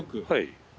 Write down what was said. はい。